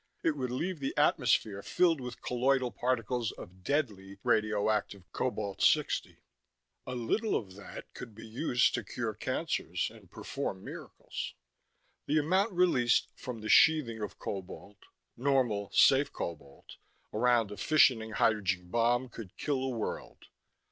It would leave the atmosphere filled with colloidal particles of deadly, radioactive Cobalt 60. A little of that could be used to cure cancers and perform miracles. The amount released from the sheathing of cobalt normal, "safe" cobalt around a fissioning hydrogen bomb could kill a world.